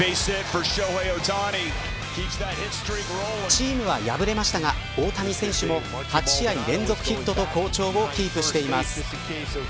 チームは敗れましたが大谷選手も８試合連続ヒットと好調をキープしています。